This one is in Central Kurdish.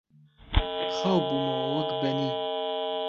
خاو بوومەوە وەک بەنی